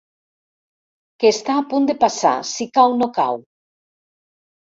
Que està a punt de passar, si cau no cau.